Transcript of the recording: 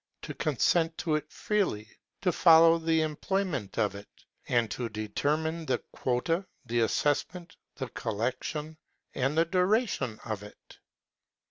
to consent to it freely, to follow the employment of it, and to determine the quota, the assessment, the collection, and the duration of it.